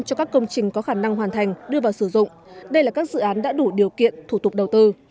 cho các công trình có khả năng hoàn thành đưa vào sử dụng đây là các dự án đã đủ điều kiện thủ tục đầu tư